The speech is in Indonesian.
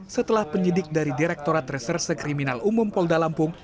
setelah penyidik dari direkturat reserse kriminal umum polda lampung